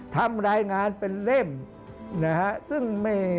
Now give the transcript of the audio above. ทำรายงานเป็นเล่มนะฮะ